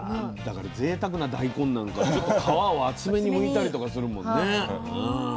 だからぜいたくな大根なんかはちょっと皮を厚めにむいたりとかするもんね。